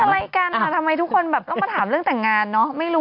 มีกันค่ะทำไมทุกคนแบบต้องมาถามเรื่องแต่งงานเนอะ